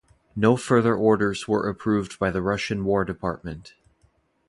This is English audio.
No further orders were approved by the Russian War Department.